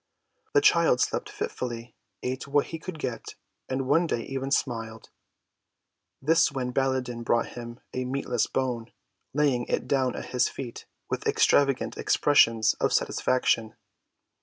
The child slept fitfully, ate what he could get, and one day even smiled. This when Baladan brought him a meatless bone, laying it down at his feet with extravagant expressions of satisfaction.